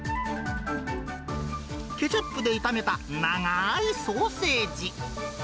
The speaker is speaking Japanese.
ケチャップで炒めた長ーいソーセージ。